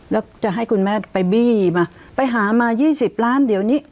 แล้วจะให้คุณแม่ไปบี้มาไปหามา๒๐ล้านเดี๋ยวนี้